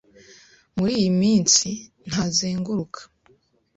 Muri iyi minsi, ntazenguruka.